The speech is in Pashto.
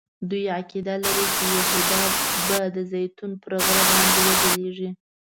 دوی عقیده لري چې یهودا به د زیتون پر غره باندې وځلیږي.